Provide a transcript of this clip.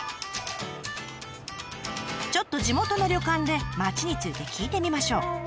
ちょっと地元の旅館で町について聞いてみましょう。